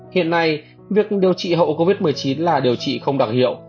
hiện nay việc điều trị hậu covid một mươi chín là điều trị không đặc hiệu